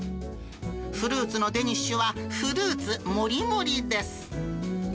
フルーツのデニッシュは、フルーツ盛り盛りです。